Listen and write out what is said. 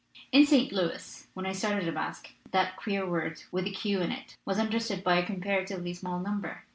In St. Louis, when I started a masque, that queer word with a *q ' in it was understood by a comparatively small number.